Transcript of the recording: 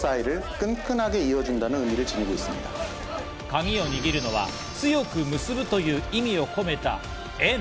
カギを握るのは強く結ぶという意味を込めた「＆」。